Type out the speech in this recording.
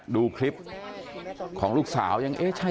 เพื่อนบ้านเจ้าหน้าที่อำรวจกู้ภัย